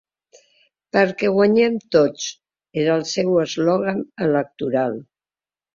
“Perquè guanyem tots”, era el seu eslògan electoral.